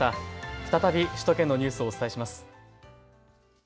再び首都圏のニュースをお伝えします。